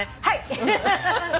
はい！